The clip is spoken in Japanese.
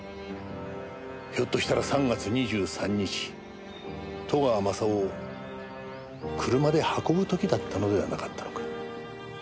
ひょっとしたら３月２３日戸川雅夫を車で運ぶ時だったのではなかったのか。